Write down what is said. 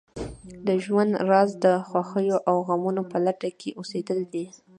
د ژوند راز د خوښیو او غمو په لټه کې اوسېدل دي.